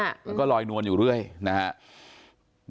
แล้วก็ลอยนวลอยู่เรื่อยนะครับ